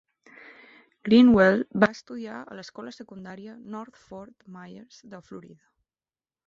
Greenwell va estudiar a l'escola secundària North Fort Myers de Florida.